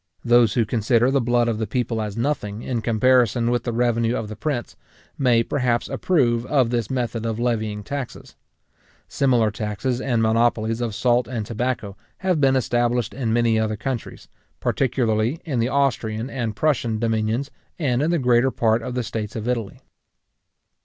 Those who consider the blood of the people as nothing, in comparison with the revenue of the prince, may, perhaps, approve of this method of levying taxes. Similar taxes and monopolies of salt and tobacco have been established in many other countries, particularly in the Austrian and Prussian dominions, and in the greater part of the states of Italy.